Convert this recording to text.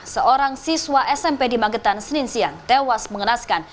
seorang siswa smp di magetan seninsian tewas mengenaskan